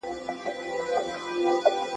پارکونه د ماشومانو خوښ ځایونه دي.